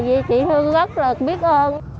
vì chị thương rất là biết ơn